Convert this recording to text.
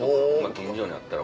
近所にあったら。